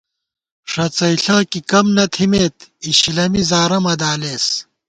ݭڅئیݪہ کی کم نہ تھِمېت اِشِلَمی زارہ مہ دالېس